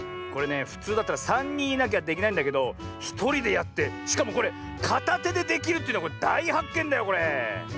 これねふつうだったらさんにんいなきゃできないんだけどひとりでやってしかもこれかたてでできるっていうのだいはっけんだよこれ。